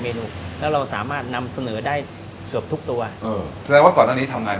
แล้วเราสามารถนำเสนอได้เกือบทุกตัวเออแสดงว่าก่อนอันนี้ทำไง